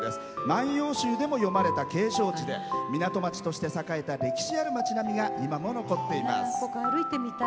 万葉集でも、よまれた景勝地で歴史ある町並みが今も残っています。